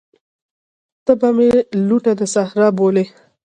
ته به مي لوټه د صحرا بولې